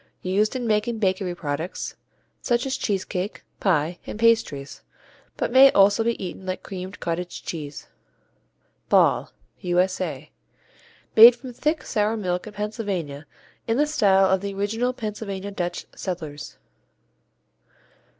Used in making bakery products such as cheese cake, pie, and pastries, but may also be eaten like creamed cottage cheese. Ball U.S.A. Made from thick sour milk in Pennsylvania in the style of the original Pennsylvania Dutch settlers.